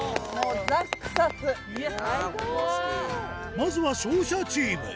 まずは勝者チーム。